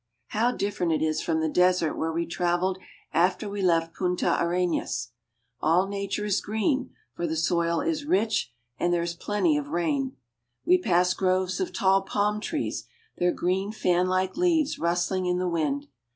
How different it is from the desert where we traveled after we left Punta Arenas ! All nature is green, for the soil is rich and there is plenty of rain. We pass groves of tall palm trees, their green fanlike leaves rustling in the wind.